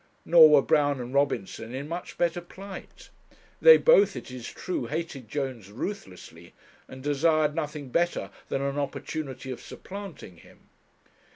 Nor were Brown and Robinson in much better plight. They both, it is true, hated Jones ruthlessly, and desired nothing better than an opportunity of supplanting him.